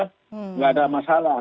nggak ada masalah